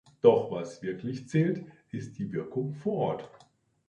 Doch was wirklich zählt, ist die Wirkung vor Ort.